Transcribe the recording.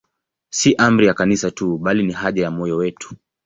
Si amri ya Kanisa tu, bali ni haja ya moyo wetu.